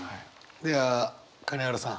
では金原さん。